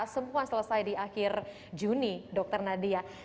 semua selesai di akhir juni dokter nadia